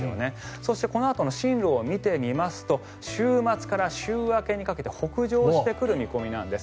そして、このあとの進路を見てみると週末から週明けにかけて北上してくる見込みなんです。